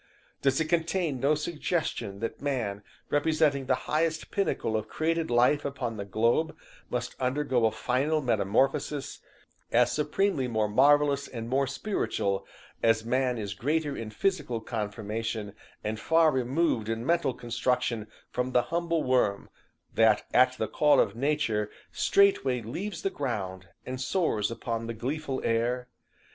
Does it contain no suggestion that man, representing the highest pinnacle of created life upon the globe, must undergo a final metamorphosis, as supremely more marvelous and more spiritual, as man is greater in physical conformation, and far removed in mental construction from the humble worm that at the call of nature straightway leaves the ground, and soars upon the gleeful air?